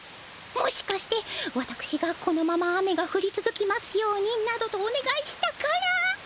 もしかしてわたくしがこのまま雨がふりつづきますようになどとおねがいしたから。